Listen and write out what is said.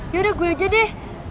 yaudah gue aja deh